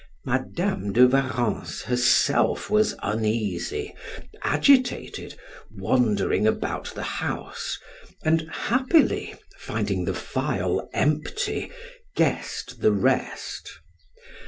Madam de Warrens herself was uneasy, agitated, wandering about the house and happily finding the phial empty guessed the rest.